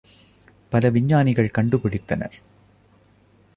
பல விஞ்ஞானிகள் கண்டு பிடித்தனர்.